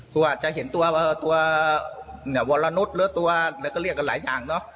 ก็อาจจะเห็นตัวตัวเนี่ยวรรณุษย์หรือตัวแล้วก็เรียกกันหลายอย่างเนาะ